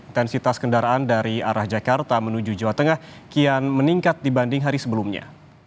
intensitas kendaraan dari arah jakarta menuju jawa tengah kian meningkat dibanding hari sebelumnya